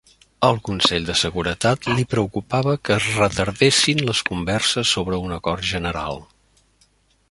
Al Consell de Seguretat li preocupava que es retardessin les converses sobre un acord general.